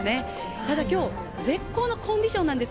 ただ、今日は絶好のコンディションなんです。